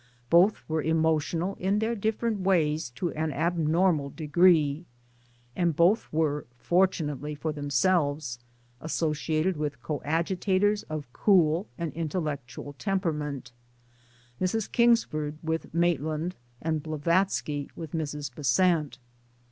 Both were emotional in their different ways to an abnormal degree ; and both were, fortunately for themselves, associated with coadjutors of cool and intellectual temperament Mrs. Kingsford with Mait land, and Blavatsky with Mrs. Besant.